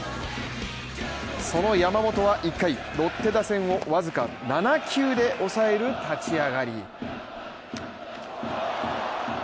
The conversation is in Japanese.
その山本は１回、ロッテ打線を僅か７球でおさえる立ち上がり。